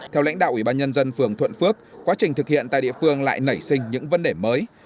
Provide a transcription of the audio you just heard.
theo lãnh đạo ubnd phường thuận phước quá trình thực hiện tại địa phương lại nảy sinh những vấn đề mới